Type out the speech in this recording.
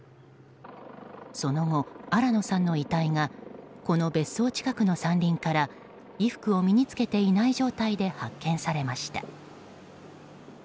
その後、新野さんの遺体がこの別荘近くの山林から衣服を身に着けていない状態で発見されました。